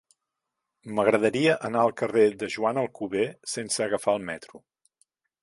M'agradaria anar al carrer de Joan Alcover sense agafar el metro.